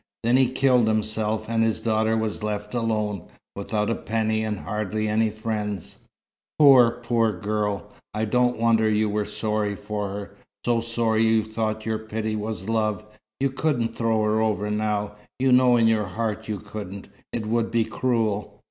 Then he killed himself, and his daughter was left alone, without a penny and hardly any friends " "Poor, poor girl! I don't wonder you were sorry for her so sorry that you thought your pity was love. You couldn't throw her over now, you know in your heart you couldn't. It would be cruel."